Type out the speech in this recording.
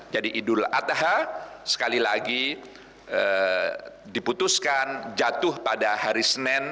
jadi idul adha sekali lagi diputuskan jatuh pada hari senin